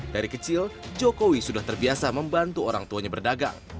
dari kecil jokowi sudah terbiasa membantu orang tuanya berdagang